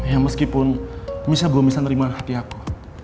ya meskipun misa belum bisa nerima hati aku